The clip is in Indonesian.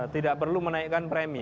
tidak perlu menaikkan premi